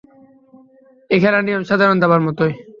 এই খেলার নিয়ম সাধারণ দাবার মতোই।